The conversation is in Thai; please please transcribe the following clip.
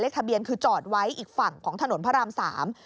ทะเบียนคือจอดไว้อีกฝั่งของถนนพระรามสาม